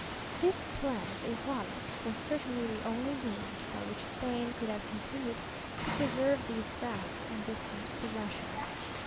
This plan of the Iguala was certainly the only means by which Spain could have continued to preserve these vast and distant possessions.